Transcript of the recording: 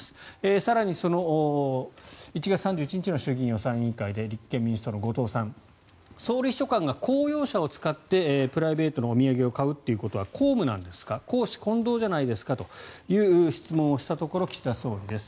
更に、１月３１日の衆議院予算委員会で立憲民主党の後藤さん総理秘書官が公用車を使ってプライベートのお土産を買うということは公務なんですか公私混同じゃないですかという質問をしたところ岸田総理です。